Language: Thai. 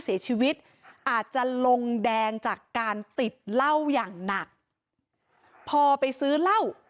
เสียชีวิตอาจจะลงแดงจากการติดเหล้าอย่างหนักพอไปซื้อเหล้า